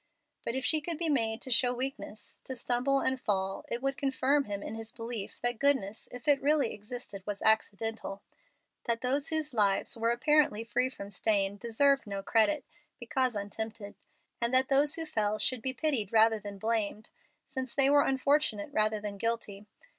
But if she could be made to show weakness, to stumble and fall, it would confirm him in his belief that goodness, if it really existed, was accidental; that those whose lives were apparently free from stain deserved no credit, because untempted; and that those who fell should be pitied rather than blamed, since they were unfortunate rather than guilty.